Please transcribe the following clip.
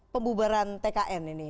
pembubaran tkn ini